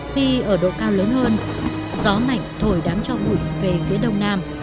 khi ở độ cao lớn hơn gió mạnh thổi đám cho bụi về phía đông nam